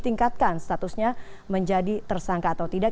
tingkatkan statusnya menjadi tersangka atau tidak